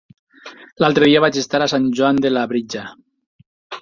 L'altre dia vaig estar a Sant Joan de Labritja.